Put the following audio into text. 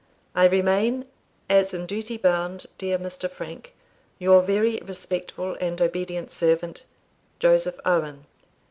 I remain, as in duty bound, dear Mr. Frank, your very respectful and obedient servant, "Joseph Owen.